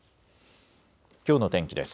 きょうの天気です。